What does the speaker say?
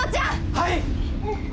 はい。